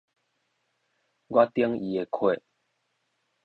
我頂伊的缺